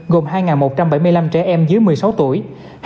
gồm hai một trăm bảy mươi năm trẻ em dưới một mươi sáu tuổi